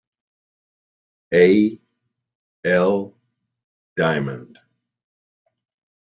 A. L. Diamond.